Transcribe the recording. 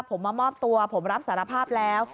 ผมมามอบตัวผมรับสารภาพแล้ว